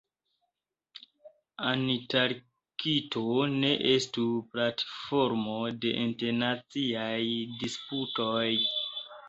Antarkto ne estu platformo de internaciaj disputoj.